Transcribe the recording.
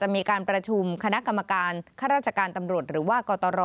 มีการประชุมคณะกรรมการข้าราชการตำรวจหรือว่ากตร